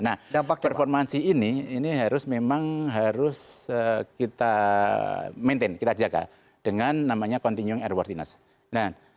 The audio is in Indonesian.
nah performansi ini memang harus kita maintain kita jaga dengan namanya continuing airworthiness